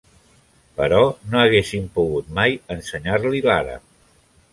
Però no haguessin pogut mai ensenyar-li l'àrab.